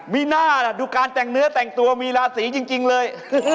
มีน่าดูการแต่งเนื้อแต่งตัวมีราศีจริงเลย